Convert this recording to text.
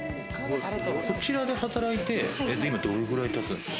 こちらで働いてどれくらいたつんですか？